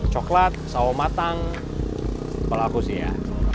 coklat sawo matang kalau aku sih ya